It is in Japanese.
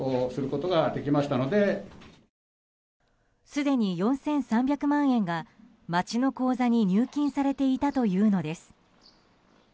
すでに４３００万円が町の口座に入金されていたというのです。